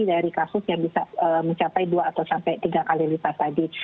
dari kasus yang bisa mencapai dua atau sampai tiga kali lipat tadi